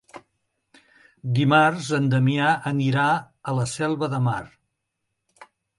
Dimarts en Damià anirà a la Selva de Mar.